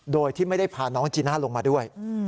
โดยที่ไม่ได้พาน้องจีน่าลงมาด้วย